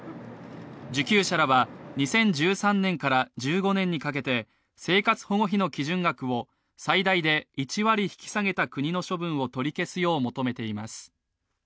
受給者らは、２０１３年から１５年にかけて生活保護費の基準額を最大で１割引き下げた国の処分を取り消すよう求めています。